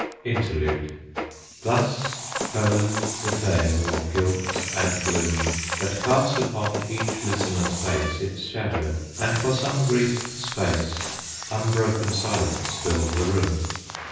INTERLUDE. Thus closed the tale of guilt and gloom, That cast upon each listener's face Its shadow, and for some brief space Unbroken silence filled the room.